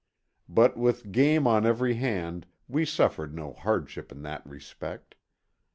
But with game on every hand we suffered no hardship in that respect.